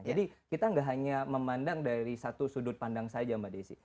jadi kita tidak hanya memandang dari satu sudut pandang saja mbak desi